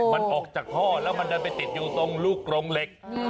มันออกจากท่อแล้วมันดันไปติดอยู่ตรงลูกกรงเหล็ก